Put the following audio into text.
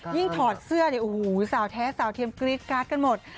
ถอดเสื้อเนี่ยโอ้โหสาวแท้สาวเทียมกรี๊ดการ์ดกันหมด